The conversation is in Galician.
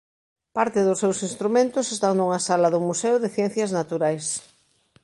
Parte dos seus instrumentos están nunha sala do Museo de Ciencias Naturais.